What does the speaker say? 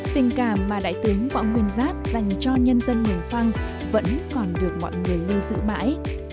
tình cảm mà đại tướng võ nguyên giáp dành cho nhân dân mường phăng vẫn còn được mọi người lưu giữ mãi